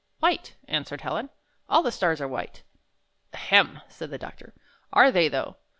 "White," answered Helen. "All the stars are white." "Ahem!" said the doctor, "are they, though?